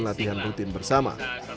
latihan rutin bersama